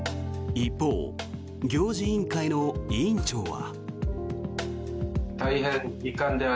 一方行事委員会の委員長は。